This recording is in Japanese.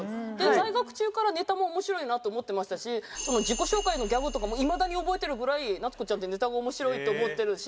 在学中からネタも面白いなと思ってましたし自己紹介のギャグとかもいまだに覚えてるぐらい夏子ちゃんってネタが面白いと思ってるし。